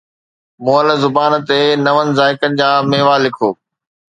مئل زبان تي نون ذائقن جا ميوا لکو